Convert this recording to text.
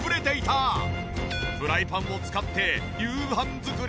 フライパンを使って夕飯作り。